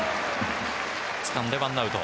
つかんで１アウト。